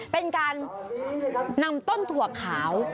เป็นการนำต้นถั่วขาว